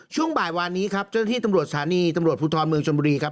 ช่วงบ่ายวานนี้ครับเจ้าหน้าที่ตำรวจสถานีตำรวจภูทรเมืองชนบุรีครับ